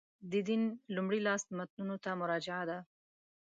د دین لومړي لاس متنونو ته مراجعه ده.